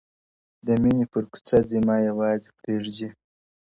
o د ميني پر كوڅه ځي ما يوازي پــرېـــږدې؛